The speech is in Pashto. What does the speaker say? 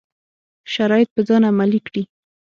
شرایط په ځان عملي کړي.